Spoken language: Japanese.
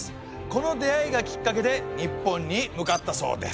この出会いがきっかけで日本に向かったそうです。